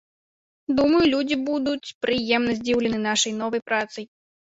Думаю, людзі будуць прыемна здзіўлены нашай новай працай.